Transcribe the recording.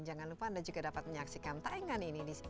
jangan lupa anda juga dapat menyaksikan taingan ini di